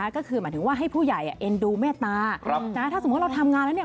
ก็คือหมายถึงว่าให้ผู้ใหญ่เอ็นดูเมตตาถ้าสมมุติเราทำงานแล้วเนี่ย